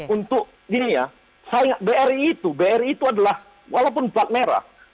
untuk gini ya bri itu adalah walaupun plat merah